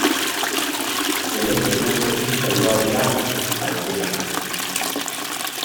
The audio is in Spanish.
En este segundo piso no había saeteras.